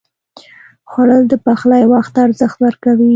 خوړل د پخلي وخت ته ارزښت ورکوي